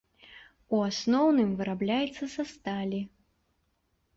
У асноўным вырабляецца са сталі.